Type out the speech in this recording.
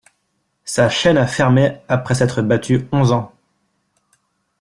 Sa chaîne a fermé après s'être battu onze ans.